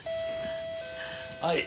はい。